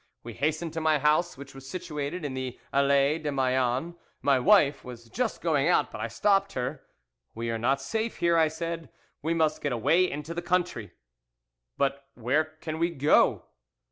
We hastened to my house, which was situated in the Allees de Meilhan. My wife was just going out, but I stopped her. "'We are not safe here,' I said; 'we must get away into the country.' "'But where can we go?